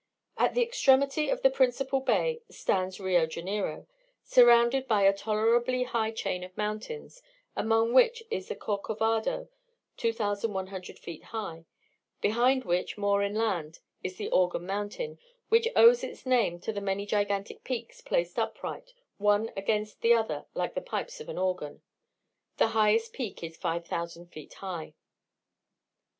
At the extremity of the principal bay, stands Rio Janeiro, surrounded by a tolerably high chain of mountains (among which is the Corcovado, 2,100 feet high), behind which, more inland, is the Organ Mountain, which owes its name to its many gigantic peaks placed upright one against the other like the pipes of an organ. The highest peak is 5,000 feet high.